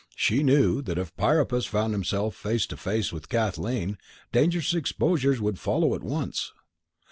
She knew that if Priapus found himself face to face with Kathleen, dangerous exposures would follow at once.